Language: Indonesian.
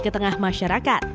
ke tengah masyarakat